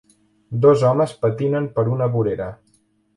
Dos homes patinen per una vorera.